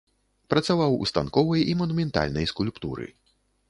Працаваў у станковай і манументальнай скульптуры.